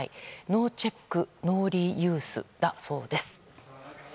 ノーチェックノーリユースだそうです。